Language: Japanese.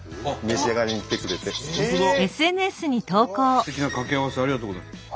「素敵な掛け合わせをありがとうございます」。